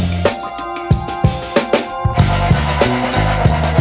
nggak ada yang denger